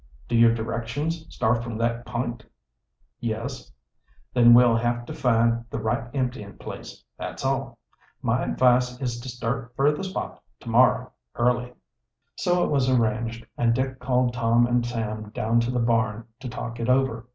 "Do your directions start from that p'int?" "Yes." "Then we'll have to find the right emptyin' place, that's all. My advice is to start fer the spot to morrow early." So it was arranged, and Dick called Tom and Sam down to the barn to talk it over.